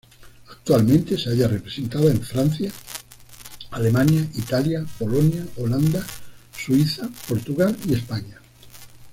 Actualmente se halla representada en Francia, Alemania, Italia, Polonia, Holanda, Suiza, Portugal y España.